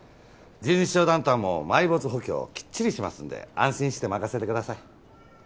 十二指腸断端も埋没補強きっちりしますんで安心して任せてください。